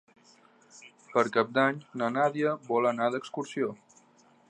Per Cap d'Any na Nàdia vol anar d'excursió.